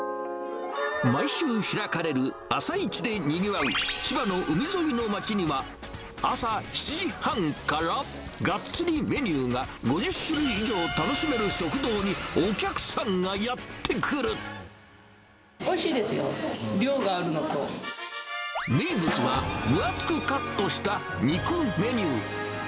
毎週開かれる朝市でにぎわう千葉の海沿いの街には、朝７時半から、がっつりメニューが５０種類以上楽しめる食堂にお客さんがやっておいしいですよ、量があるの名物は、分厚くカットした肉メニュー。